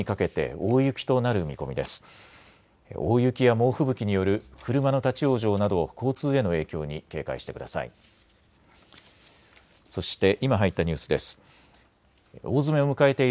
大雪や猛吹雪による車の立往生など交通への影響に警戒してください。